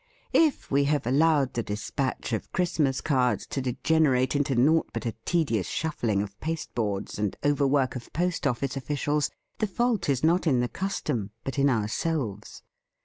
If we have allowed the despatch of Christ mas cards to degenerate into naught but a tedious shuffling of paste boards and overwork of post office officials, the fault is not in the custom but in ourselves.